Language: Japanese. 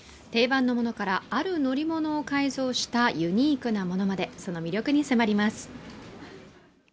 定番のものから、ある乗り物を改造したユニークなものまでその魅力に迫ります。